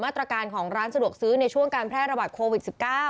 ตรการของร้านสะดวกซื้อในช่วงการแพร่ระบาดโควิด๑๙